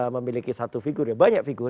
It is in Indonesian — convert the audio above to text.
memiliki satu figur ya banyak figur